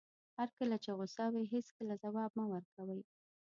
هر کله چې غوسه وئ هېڅکله ځواب مه ورکوئ.